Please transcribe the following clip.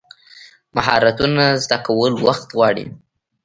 مهارتونه زده کول وخت غواړي.